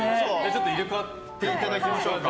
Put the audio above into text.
入れ替わっていただきましょうか。